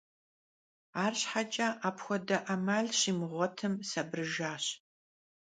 Arşheç'e apxuede 'emal şimığuetım, sabırıjjaş.